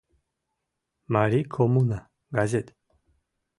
«Марий коммуна» газет.